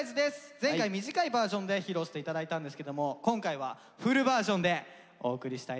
前回短いバージョンで披露して頂いたんですけども今回はフルバージョンでお送りしたいと思います。